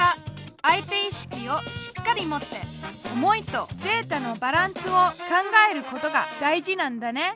相手意識をしっかり持って「思い」と「データ」のバランスを考えることが大事なんだね。